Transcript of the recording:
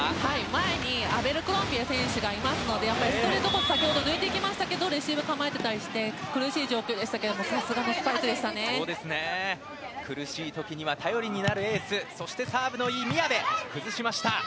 前にアベルクロンビエ選手がいますのでストレートは先ほど抜いてきましたがレシーブ構えてたりして苦しい状況でしたけど苦しい時には頼りになるエース。